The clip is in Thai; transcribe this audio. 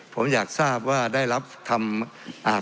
ผมอยากทราบว่าได้รับทำอ่า